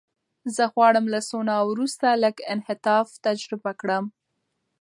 زه غواړم له سونا وروسته لږ انعطاف تجربه کړم.